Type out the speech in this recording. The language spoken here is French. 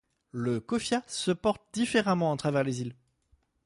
Le kofia se porte différemment à travers les îles.